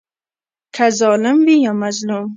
که ظالم وي یا مظلوم.